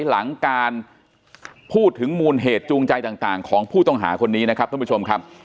หลังการพูดถึงมูลเหตุจูงใจต่างของผู้ต้องหาคนนี้นะครับท่านผู้ชมครับ